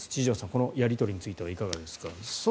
このやり取りについてはいかがですか。